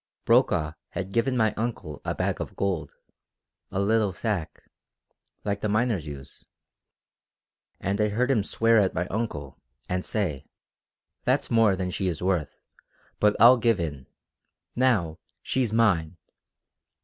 Brokaw had given my uncle a bag of gold, a little sack, like the miners use, and I heard him swear at my uncle, and say: 'That's more than she is worth but I'll give in. Now she's mine!'